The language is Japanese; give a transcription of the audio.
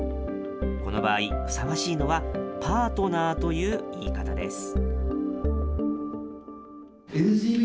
この場合、ふさわしいのはパートナーという言い方です。